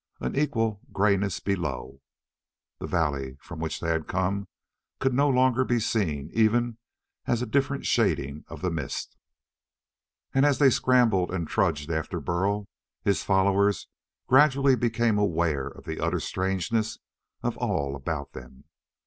And equal grayness below. The valley from which they had come could no longer be seen even as a different shading of the mist. And as they scrambled and trudged after Burl, his followers gradually became aware of the utter strangeness of all about them.